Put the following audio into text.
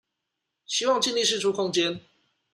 希望盡力釋出空間